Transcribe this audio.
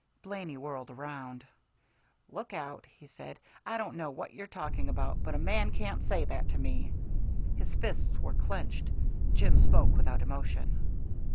Blaney whirled around. "Look out," he said. "I don't know what you're talking about, but a man can't say that to me." His fists were clenched. Jim spoke without emotion.